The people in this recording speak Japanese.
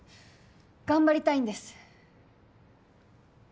頑張りたいんです。